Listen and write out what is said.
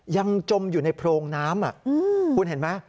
จมอยู่ในโพรงน้ำคุณเห็นไหม